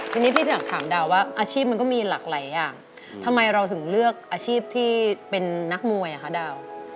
ทีนี้พี่ถึงถามดาวว่าอาชีพมันก็มีหลากหลายอย่างทำไมเราถึงเลือกอาชีพที่เป็นนักมวยอ่ะคะดาว